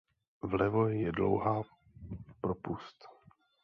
Vlevo je dlouhá propust.